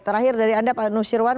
terakhir dari anda pak nusirwan